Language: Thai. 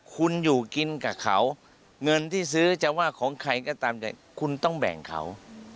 คุณอยู่กินกับเขาเงินที่ซื้อจะว่าของใครก็ตามแต่คุณต้องแบ่งเขา